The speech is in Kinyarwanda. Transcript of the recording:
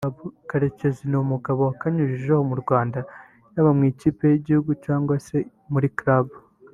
Karekezi ni umugabo wakanyujijeho mu Rwanda yaba mu ikipe y’Igihugu cyangwa se muri Club